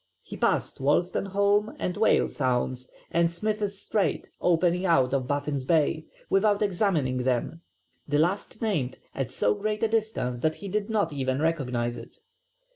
He passed Wolstenholme and Whale Sounds and Smith's Strait, opening out of Baffin's Bay, without examining them, the last named at so great a distance that he did not even recognize it.